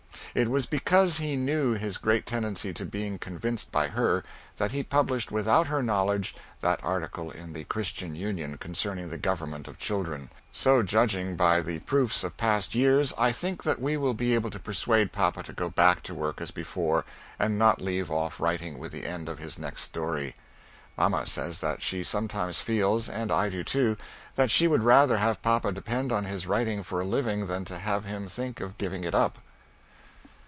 It was because he knew his great tendency to being convinced by her, that he published without her knowledge that article in the "Christian Union" concerning the government of children. So judging by the proofs of past years, I think that we will be able to persuade papa to go back to work as before, and not leave off writing with the end of his next story. Mamma says that she sometimes feels, and I do too, that she would rather have papa depend on his writing for a living than to have him think of giving it up.